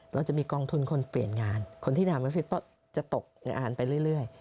เราจะมีกองทุนคนเปลี่ยนงานคนที่ทำออฟฟิศก็จะตกงานไปเรื่อย